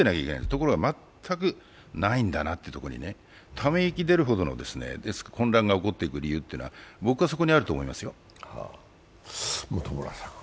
ところが全くないんだなというとこにため息出るほどの混乱が起こってくる理由はそこにあると思いますよ。